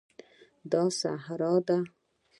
دا صحرا ده